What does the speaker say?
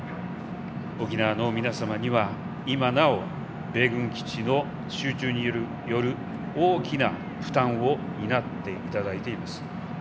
沖縄の皆様には、今なお米軍基地の集中による大きな負担を担っていただいています。